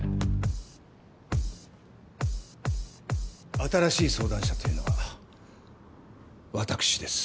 新しい相談者というのはわたくしです。